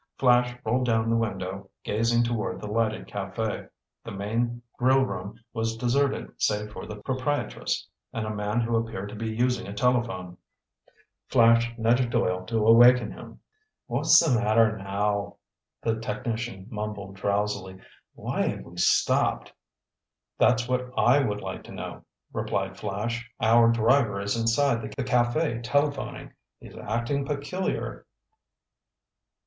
Flash rolled down the window, gazing toward the lighted café. The main grille room was deserted save for the proprietress, and a man who appeared to be using a telephone. Flash nudged Doyle to awaken him. "What's the matter now?" the technician mumbled drowsily. "Why have we stopped?" "That's what I would like to know," replied Flash. "Our driver is inside the café telephoning. He's acting peculiar."